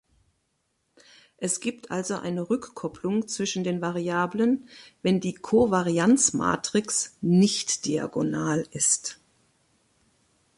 Es gibt also eine Rückkopplung zwischen den Variablen, wenn die Kovarianzmatrix nicht-diagonal ist.